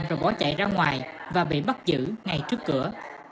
rồi bỏ chạy ra ngoài và bị bắt giữ ngay trước cửa